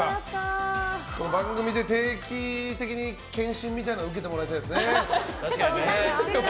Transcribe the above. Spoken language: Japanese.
番組で定期的に健診みたいなの受けてもらいたいですね。